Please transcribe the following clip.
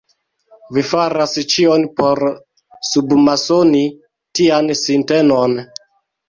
Vi faras ĉion por submasoni tian sintenon.